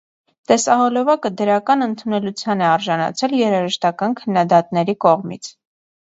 Տեսահոլովակը դրական ընդունելության է արժանացել երաժշտական քննադատների կողմից։